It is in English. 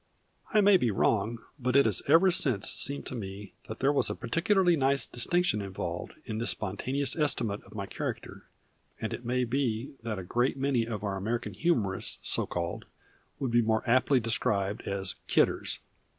I may be wrong, but it has ever since seemed to me that there was a particularly nice distinction involved in this spontaneous estimate of my character, and it may be that a great many of our American humorists, so called, would be more aptly described as kidders.